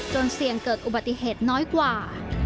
เสี่ยงเกิดอุบัติเหตุน้อยกว่า